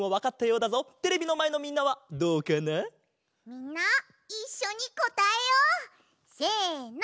みんないっしょにこたえよう！せの！